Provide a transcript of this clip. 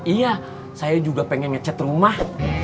iya saya juga pengen nge chat rumah